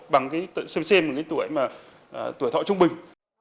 bằng cái tuổi mà tuổi họa trung bình